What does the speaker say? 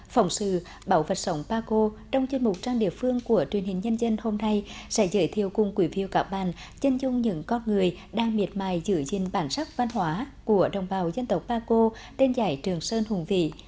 phóng sư bảo phật sống pa co trong chương mục trang địa phương của truyền hình nhân dân hôm nay sẽ giới thiệu cùng quý vị và các bạn chân dung những con người đang miệt mài giữ gìn bản sắc văn hóa của đồng bào dân tộc pa co tên giải trường sơn hùng vị